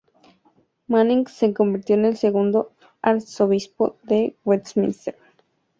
Manning se convirtió en el segundo arzobispo de Westminster.